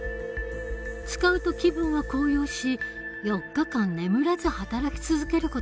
使うと気分は高揚し４日間眠らず働き続ける事もできた。